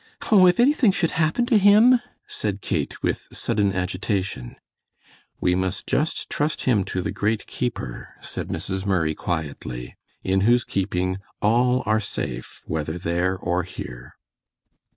"Oh, if anything should happen to him?" said Kate, with sudden agitation. "We must just trust him to the great Keeper," said Mrs. Murray, quietly, "in Whose keeping all are safe whether there or here."